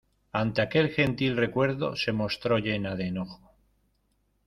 ante aquel gentil recuerdo se mostró llena de enojo.